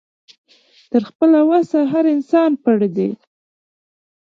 تر خپله وسه هر انسان پړ دی